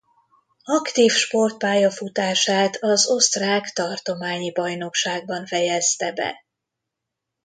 Aktív sport pályafutását az osztrák tartományi bajnokságban fejezte be.